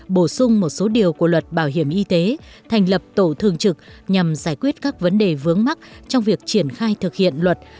bổ sung một số điều của luật bảo hiểm y tế thành lập tổ thường trực nhằm giải quyết các vấn đề vướng mắt trong việc triển khai thực hiện luật